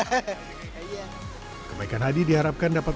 kepaikan hadi diharapkan dapat menjadi sebuah kepentingan